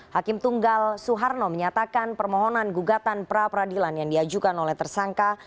hakim tunggal suharno menyatakan permohonan gugatan pra peradilan yang diajukan oleh tersangka